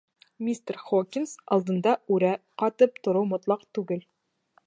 Мистер Хокинс алдында үрә ҡатып тороу мотлаҡ түгел.